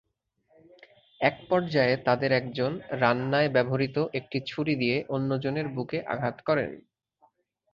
একপর্যায়ে তাঁদের একজন রান্নায় ব্যবহূত একটি ছুরি দিয়ে অন্যজনের বুকে আঘাত করেন।